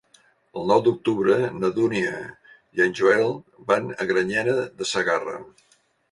El nou d'octubre na Dúnia i en Joel van a Granyena de Segarra.